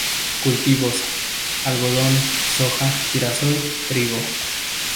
Cultivos: algodón, soja, girasol, trigo.